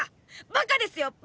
バカですよバカ！